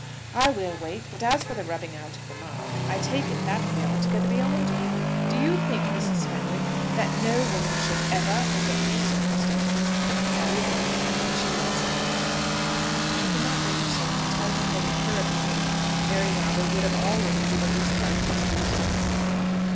"I will wait; but as for the rubbing out of the mark, I take it that will be altogether beyond me. Do you think, Mrs. Fenwick, that no woman should ever, under any circumstances, marry one man when she loves another?" She could not bring herself to tell him that in her opinion Mary Lowther would of all women be the least likely to do so.